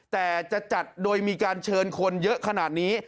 แต่จะจัดโดยมีการเชิญคนเยอะขนาดนี้